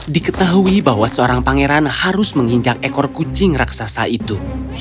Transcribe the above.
diketahui bahwa seorang pangeran harus menginjak ekor kucing raksasa itu